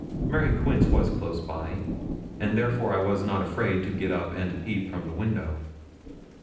Mary Quince was close by, and therefore I was not afraid to get up and peep from the window.